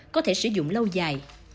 có thể sử dụng lâu dài